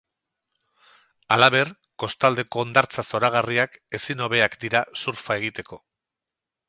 Halaber, kostaldeko hondartza zoragarriak ezin hobeak dira surfa egiteko.